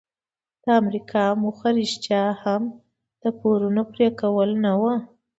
د امریکا موخه رښتیا هم د پورونو پریکول نه وو.